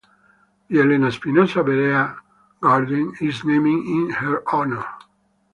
The Elena Espinosa Berea Garden is named in her honor.